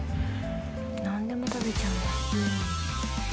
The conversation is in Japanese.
なんでも食べちゃうんだ。